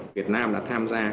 việt nam đã tham gia